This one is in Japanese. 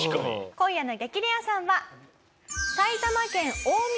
今夜の激レアさんは。